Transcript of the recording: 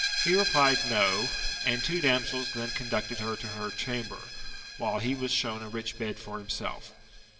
He replied, No j and two damsels then conducted her to her chamber, while he was shown a rich bed for himself.